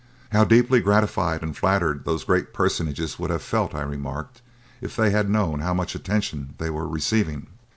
"How deeply gratified and flattered those great personages would have felt," I remarked, "if they had known how much attention they were receiving."